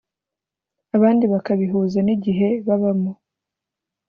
abandi bakabihuza n igihe babamo